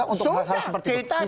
untuk hal seperti itu